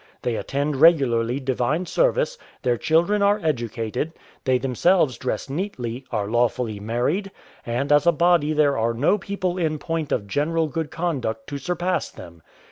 They attend regularly divine service, their children are educated, they themselves dress neatly, are lawfully married, and as a body there are no people in point of general good conduct to surpass them.